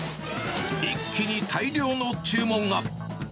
一気に大量の注文が。